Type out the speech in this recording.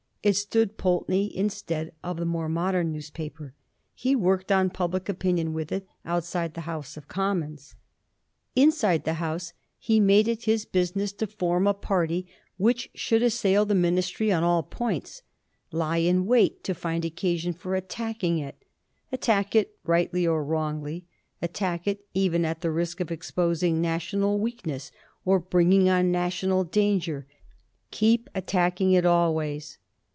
It stood Pulteney in stead of the more modem newspaper. He worked on public opinion with it outside the House of Com mons. Inside the House he made it his business to form a party which should assail the ministry on all points, lie in wait to find occasion for attacking it, attack it rightly or wrongly, attack it even at the risk of exposing national weakness or bringing on national danger, keep attacking it always.